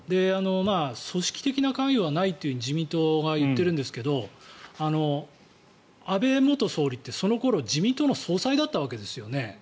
組織的な関与はないというふうに自民党が言っているんですが安倍元総理ってその頃、自民党の総裁だったわけですよね。